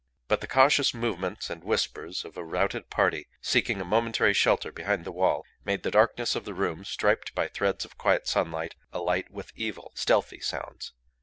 But the cautious movements and whispers of a routed party seeking a momentary shelter behind the wall made the darkness of the room, striped by threads of quiet sunlight, alight with evil, stealthy sounds.